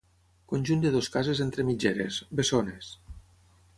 Conjunt de dues cases entre mitgeres, bessones.